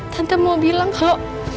tante mau bilang kalau